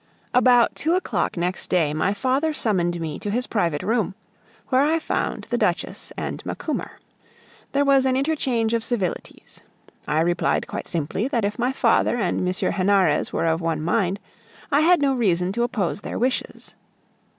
About two o'clock next day my father summoned me to his private room, where I found the Duchess and Macumer. There was an interchange of civilities. I replied quite simply that if my father and M. Henarez were of one mind, I had no reason to oppose their wishes.